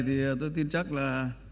thì tôi tin chắc là